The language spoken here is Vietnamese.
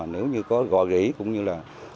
nếu như có gò rỉ cũng như là